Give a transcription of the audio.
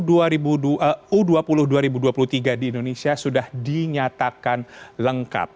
u dua puluh dua ribu dua puluh tiga di indonesia sudah dinyatakan lengkap